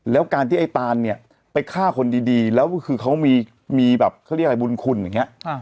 แล้วการที่ไอ้ตานเนี่ยไปฆ่าคนดีแล้วคือเขามีแบบเขาเรียกอะไรบุญคุณอย่างนี้